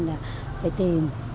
là phải tìm